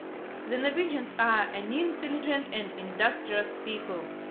The Norwegians are an intelUgent and in dustrious people.